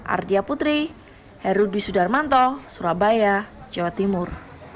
ardia putri herudwi sudarmanto surabaya jawa timur